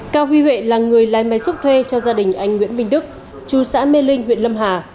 cao huy huệ là người lái máy xúc thuê cho gia đình anh nguyễn minh đức chú xã mê linh huyện lâm hà